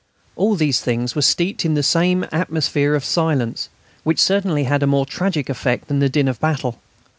All these things were steeped in the same atmosphere of silence, which certainly had a more tragic effect than the din of battle.